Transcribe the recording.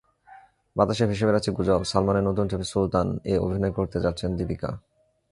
বাতাসে ভেসে বেড়াচ্ছে গুজব—সালমানের নতুন ছবি সুলতান–এ অভিনয় করতে যাচ্ছেন দীপিকা।